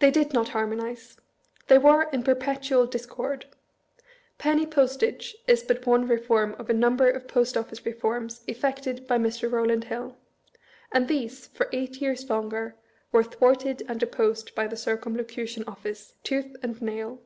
They did not harmonize. They were in perpetual dis cord. Penny postage is but one reform of a number of Post Office reforms effected by Mr. Eowland Hill; and these, for eight years longer, were thwarted and opposed by the Circumlocution Office, tooth and nail.